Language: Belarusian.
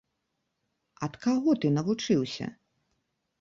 Ад каго ты навучыўся?